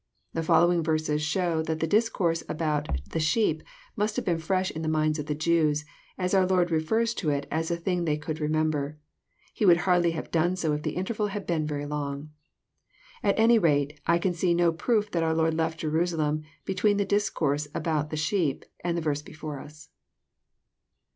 The follow ing verses show that the discourse about *' the sheep " must have been fresh in the minds of the Jews, as our Lord refers to it as a thing they could remember : He would hardly have done so if the interval had been very long. At any rate, I can see no proof that our Lord left Jerusalem between the discourse about the sheep " and the verse before us.